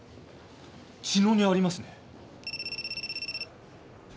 茅野にありますね。